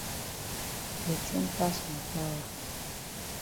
De tin pass ma power.